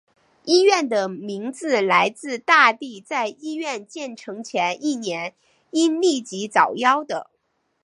医院的名字来自大帝在医院建成前一年因痢疾早夭的。